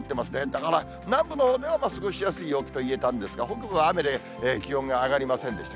だから南部のほうでは過ごしやすい陽気と言えたんですが、北部は雨で、気温が上がりませんでした。